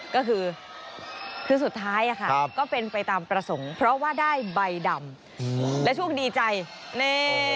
ก็คือคือสุดท้ายค่ะก็เป็นไปตามประสงค์เพราะว่าได้ใบดำและโชคดีใจนี่